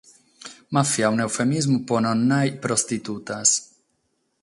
Ma fiat un'eufemismu pro non nàrrere prostitutas.